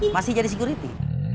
masih jadi security